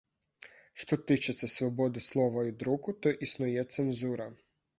Што тычыцца свабоды слова і друку, то існуе цэнзура.